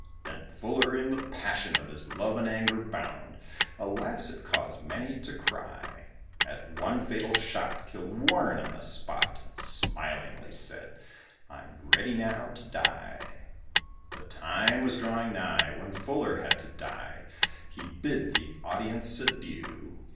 Then Fuller in the passion of his love and anger bound, Alas! it caused many to cry, At one fatal shot killed Warren on the spot, And smilingly said, "I'm ready now to die." The time was drawing nigh when Fuller had to die; He bid the audience adieu.